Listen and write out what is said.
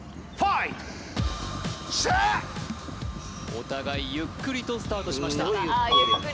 お互いゆっくりとスタートしました